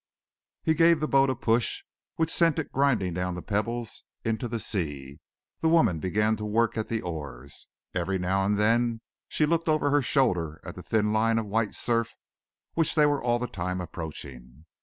He gave the boat a push which sent it grinding down the pebbles into the sea. The woman began to work at the oars. Every now and then she looked over her shoulder at that thin line of white surf which they were all the time approaching.